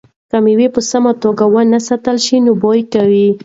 که مېوه په سمه توګه ونه ساتل شي نو بوی کوي.